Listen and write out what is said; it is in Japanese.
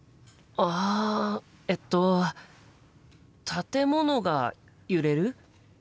あえっと建物が揺れる？